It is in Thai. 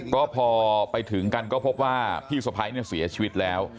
ก็พอไปถึงกันก็พบว่าพี่สะพ้ายเนี่ยเสียชีวิตแล้ว